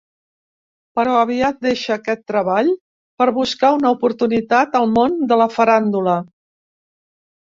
Però aviat deixa aquest treball per buscar una oportunitat al món de la faràndula.